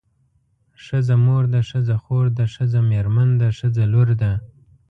ښځه مور ده ښځه خور ده ښځه مېرمن ده ښځه لور ده.